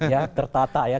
ya tertata ya